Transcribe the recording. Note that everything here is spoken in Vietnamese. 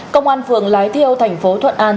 công an phường lái theo tp thuận an